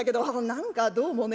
何かどうもね」。